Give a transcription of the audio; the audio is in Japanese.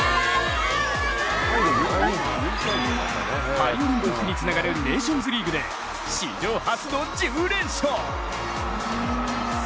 パリオリンピックにつながるネーションズリーグで史上初の１０連勝。